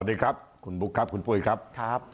สวัสดีครับคุณบุ๊คครับคุณปุ้ยครับ